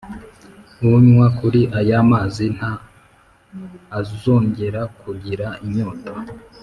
unywa kuri aya mazi nta azongera kugira inyota